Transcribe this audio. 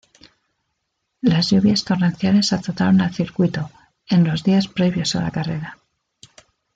Las lluvias torrenciales azotaron al Circuito, en los días previos a la carrera.